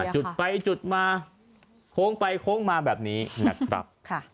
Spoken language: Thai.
จุดไปจุดมาโค้งไปโค้งมาแบบนี้นะครับ